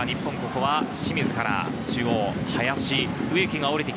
ここは清水から中央、林。